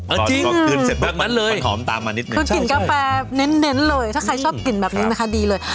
ก็เย็นถึงกาแฟเงินถ้าใครชอบยินแบบนี้นะคะดีเลย